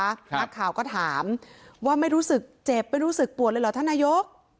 นักข่าวก็ถามว่าไม่รู้สึกเจ็บไม่รู้สึกปวดเลยเหรอท่านนายก